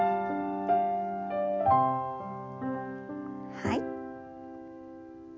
はい。